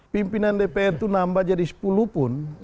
pimpinan dpr itu nambah jadi sepuluh pun